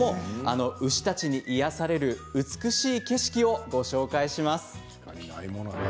牛たちに癒やされる美しい景色をご紹介します。